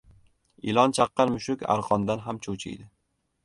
• Ilon chaqqan mushuk arqondan ham cho‘chiydi.